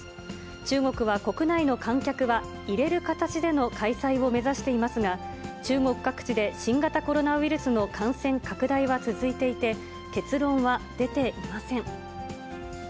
中国は、国内の観客は入れる形での開催を目指していますが、中国各地で新型コロナウイルスの感染拡大は続いていて、結論は出ていません。